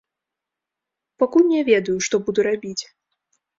Пакуль не ведаю, што буду рабіць.